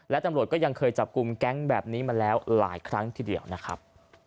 และตำรวจก็ยังเคยจับกลุ่มแก๊งแบบนี้มาแล้วหลายครั้งทีเดียวนะครับ